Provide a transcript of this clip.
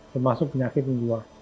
termasuk penyakit yang keluar